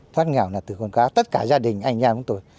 thoát nghèo là từ con cá tất cả gia đình anh em của tôi